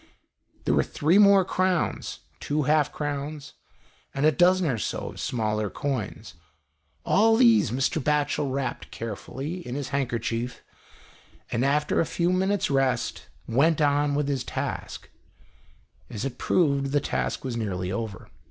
There were three more crowns, two half crowns, and a dozen or so of smaller coins. All these Mr. Batchel wrapped carefully in his handkerchief, and after a few minutes rest went 78 THE EASTERN WINDOW. on with his task. As it proved, the task was nearly over.